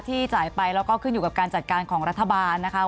จ่ายไปแล้วก็ขึ้นอยู่กับการจัดการของรัฐบาลนะคะ